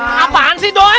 ngapain sih doi